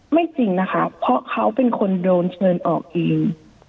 จริงนะคะเพราะเขาเป็นคนโดนเชิญออกเอง